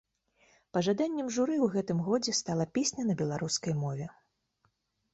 Пажаданнем журы ў гэтым годзе стала песня на беларускай мове.